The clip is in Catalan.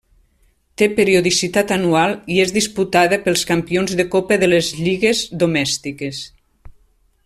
Té periodicitat anual i és disputada pels campions de copa de les lligues domèstiques.